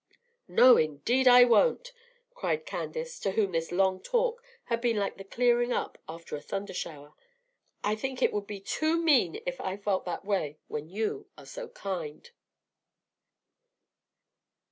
"No, indeed, I won't!" cried Candace, to whom this long talk had been like the clearing up after a thunder shower. "I think it would be too mean if I felt that way when you are so kind."